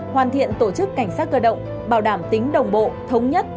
hoàn thiện tổ chức cảnh sát cơ động bảo đảm tính đồng bộ thống nhất